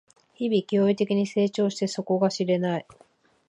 日々、驚異的に成長して底が知れない